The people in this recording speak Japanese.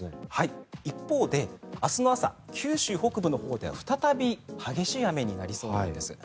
一方で明日の朝九州北部のほうでは再び激しい雨になりそうなんです。